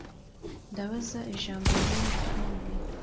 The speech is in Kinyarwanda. Ndabaza ijambo rimwe rukumbi